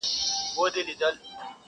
درد په حافظه کي پاتې کيږي,